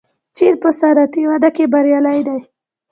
چین په صنعتي وده کې بریالی دی.